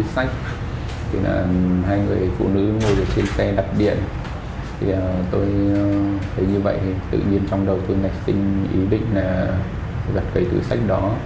xuyên vĩnh phúc